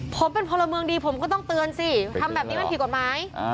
ผมเป็นพลเมืองดีผมก็ต้องเตือนสิทำแบบนี้มันผิดกฎหมาย